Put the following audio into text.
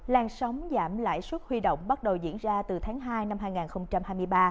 làn sóng giảm lãi suất huy động bắt đầu diễn ra từ tháng hai năm hai nghìn hai mươi ba